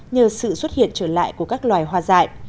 nhờ sự xuất hiện trở lại của các loài hoa dạy